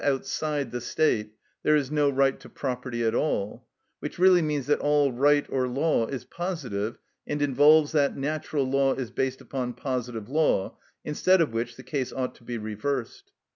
_, outside the State, there is no right to property at all, which really means that all right or law is positive, and involves that natural law is based upon positive law, instead of which the case ought to be reversed.